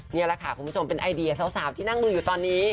นี่แหละค่ะคุณผู้ชมเป็นไอเดียสาวที่นั่งมืออยู่ตอนนี้